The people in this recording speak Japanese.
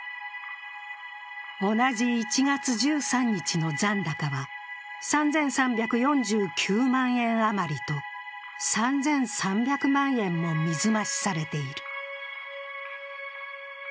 同じ１月１３日の残高は３３４９万円余りと３３００万円も水増しされている。